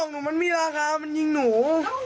หนูมันมีราคามันยิงหนู